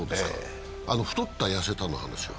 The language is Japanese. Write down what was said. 太った、痩せたの話は？